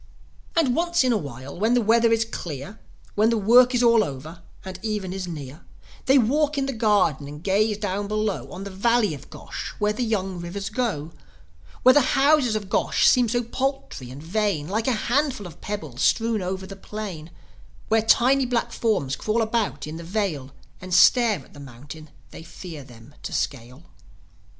And, once in a while, when the weather is clear, When the work is all over, and even is near, They walk in the garden and gaze down below On the Valley of Gosh, where the young rivers go; Where the houses of Gosh seem so paltry and vain, Like a handful of pebbles strewn over the plain; Where tiny black forms crawl about in the vale, And stare at the mountain they fear them to scale.